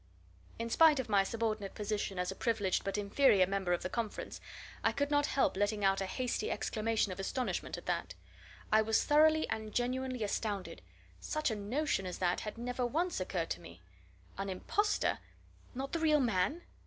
In spite of my subordinate position as a privileged but inferior member of the conference, I could not help letting out a hasty exclamation of astonishment at that. I was thoroughly and genuinely astounded such a notion as that had never once occurred to me. An impostor! not the real man?